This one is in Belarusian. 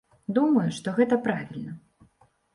Думаю, што гэта правільна.